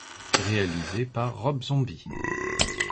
Réalisé par Rob Zombie.